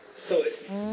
そうです。